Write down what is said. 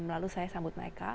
lalu saya sambut mereka